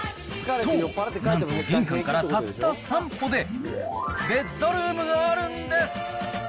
そう、なんと玄関からたった３歩でベッドルームがあるんです。